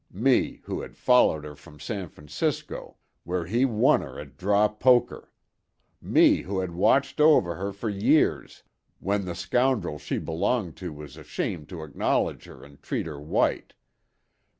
—me who had followed 'er from San Francisco, where 'e won 'er at draw poker!—me who had watched over 'er for years w'en the scoundrel she belonged to was ashamed to acknowledge 'er and treat 'er white!